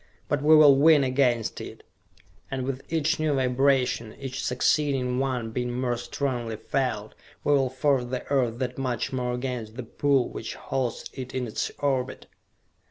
But we will win against it, and with each new vibration, each succeeding one being more strongly felt, we will force the Earth that much more against the pull which holds it in its orbit!"